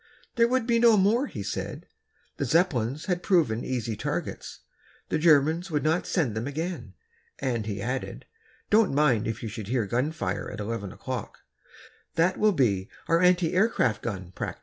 There would be no more, he said. The Zeppelins had proved easy targets, the Germans would not send them again. And he added: "Don't mind if you should hear gun fire at eleven o'clock; that will be our anti aircraft gun practice."